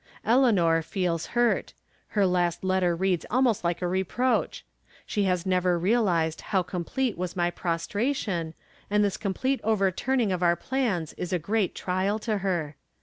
Eleanor feels hurt. Her last letter reads almost like a reproach. She has never realized how complete was my prostration, and tills complete overturning of our plans is a great trial to her.